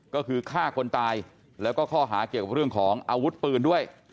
ก็คือฆ่าคนตายแล้วก็ข้อหาเกี่ยวกับเรื่องของอาวุธปืนด้วย